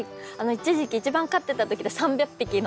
一時期一番飼ってたときで３００匹の。